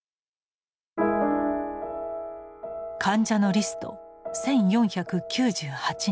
患者のリスト１，４９８人。